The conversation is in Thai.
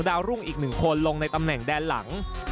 ดาวรุ่งอีกหนึ่งคนลงในตำแหน่งด้านหลัง